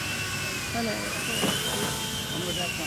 Han är en fårskalle.